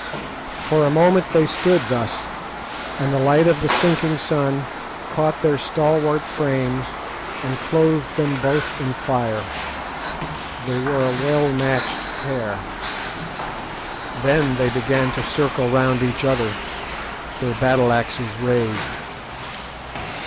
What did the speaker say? For a moment they stood thus, and the light of the sinking sun caught their stalwart frames and clothed them both in fire. They were a well matched pair. Then they began to circle round each other, their battle axes raised.